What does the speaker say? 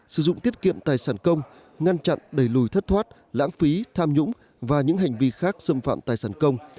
sử dụng tiết kiệm tài sản công ngăn chặn đẩy lùi thất thoát lãng phí tham nhũng và những hành vi khác xâm phạm tài sản công